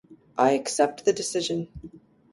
I accept the decision.